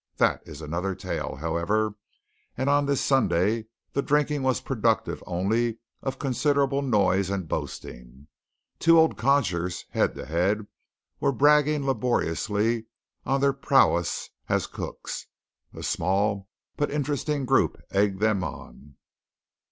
That is another tale, however; and on this Sunday the drinking was productive only of considerable noise and boasting. Two old codgers, head to head, were bragging laboriously of their prowess as cooks. A small but interested group egged them on.